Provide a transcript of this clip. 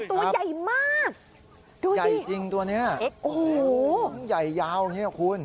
ตัวใหญ่มากตัวใหญ่จริงตัวเนี้ยโอ้โหมันใหญ่ยาวอย่างเงี้ยคุณ